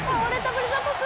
ブリザポス。